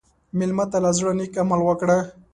مېلمه ته له زړه نیک عمل وکړه.